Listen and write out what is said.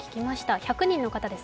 １００人の方です。